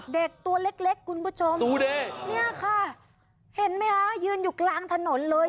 เด็กตัวเล็กคุณผู้ชมดูดิเนี่ยค่ะเห็นไหมคะยืนอยู่กลางถนนเลย